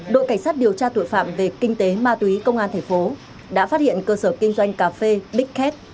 đội cảnh sát điều tra tội phạm về kinh tế ma túy công an tp đã phát hiện cơ sở kinh doanh cà phê big cat